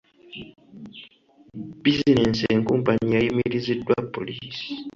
Bizinensi enkumpanyi yayimiriziddwa poliisi.